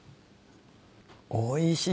おいしい。